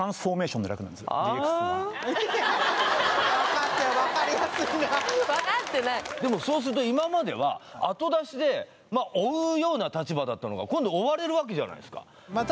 ＤＸが分かって分かりやすいなでもそうすると今まではあと出しで追うような立場だったのが今度追われるわけじゃないすかまあ